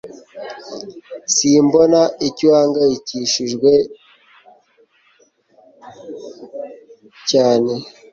Simbona icyo uhangayikishijwe cyane